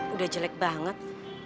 udah jelek banget